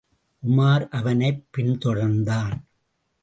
உமார் அவனைப் பின்தொடர்ந்தான்.